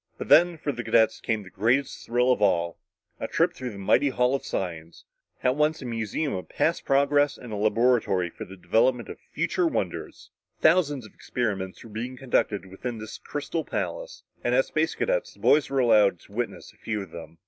But then, for the Space Cadets, came the greatest thrill of all a trip through the mighty Hall of Science, at once a museum of past progress and a laboratory for the development of future wonders. Thousands of experiments were being conducted within this crystal palace, and as Space Cadets, the boys were allowed to witness a few of them.